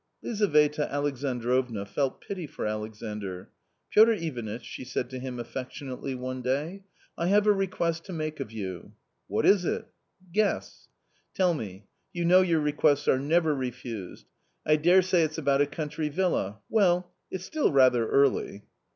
Lizaveta Alexandrovna felt pity for Alexandr. " Piotr Ivanitch !" she said to him affectionately one day, " I have a request to make of you ?"" What is it ?"" Guess." " Tell me ; you know your requests are never refused. I daresay it's about a country villa ; well, it's still rather early."